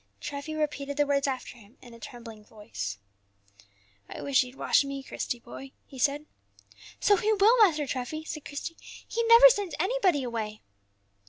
Treffy repeated the words after him in a trembling voice. "I wish He'd wash me, Christie, boy," he said. "So He will, Master Treffy," said Christie; "He never sends anybody away."